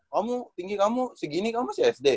kamu tinggi kamu segini kamu masih sd